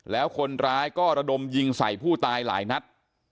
แล้วคนร้ายก็ระดมยิงใส่ผู้ตายหลายนัด